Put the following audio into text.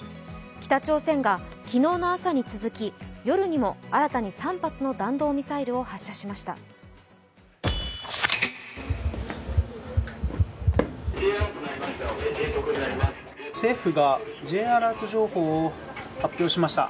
北朝鮮が昨日の朝に続き、夜にも新たに３発の弾道ミサイルを発射しました。